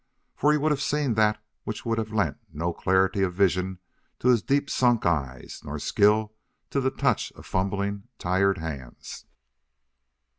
For he would have seen that which could have lent no clarity of vision to his deep sunk eyes nor skill to the touch of fumbling, tired hands.